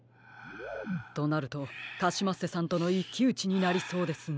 となるとカシマッセさんとのいっきうちになりそうですね。